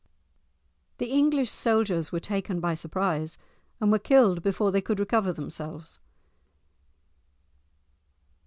The English soldiers were taken by surprise, and were killed before they could recover themselves.